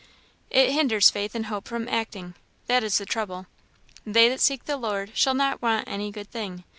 "It hinders faith and hope from acting that is the trouble. 'They that seek the Lord, shall not want any good thing.'